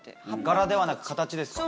柄ではなく形ですか？